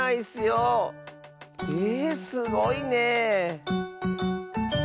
えすごいねえ。